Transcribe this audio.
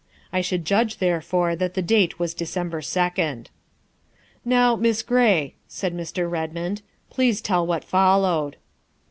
I should judge, therefore, that the date was December 2d. "" Now, Miss Gray," said Mr. Redmond, " please tell what followed."